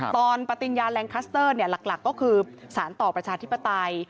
ตอนปฏิญญาแรงคัสเตอร์หลักก็คือสารต่อประชาธิปไตย